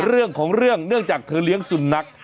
เรื่องของเรื่องเนื่องจากเธอเลี้ยงสุนัข